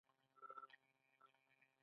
آیا رباب د پښتنو د روح غږ نه دی؟